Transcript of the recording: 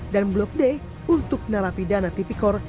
dan blok d untuk narapidana tipikor